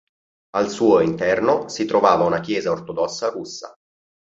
Al suo interno si trovava una chiesa ortodossa russa.